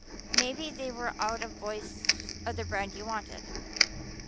Maybe they were out of boys of the brand you wanted."